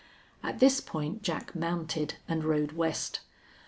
At this point Jack mounted and rode west.